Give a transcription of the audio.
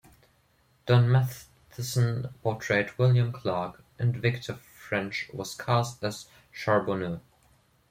Don Matheson portrayed William Clark, and Victor French was cast as Charbonneau.